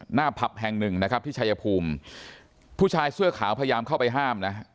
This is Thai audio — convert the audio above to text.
ผับแห่งหนึ่งนะครับที่ชายภูมิผู้ชายเสื้อขาวพยายามเข้าไปห้ามนะฮะ